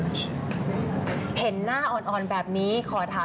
อืมรู้ไหมว่าดังมากเลยตอนนี้